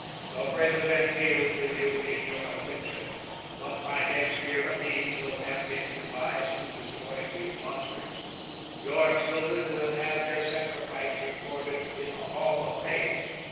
"The President feels with you in your affliction. But by next year a means will have been devised of destroying these monsters. Your children will have their sacrifice recorded in the Hall of Fame.